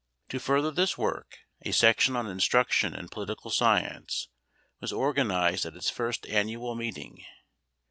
To further this work a section on instruction in Political Science was organized at its first annual meeting.